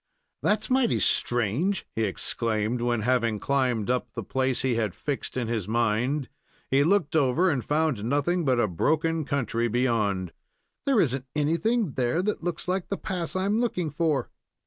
"That's mighty strange!" he exclaimed, when, having climbed up the place he had fixed in his mind, he looked over and found nothing but a broken country beyond. "There is n't anything there that looks like the pass I'm looking for."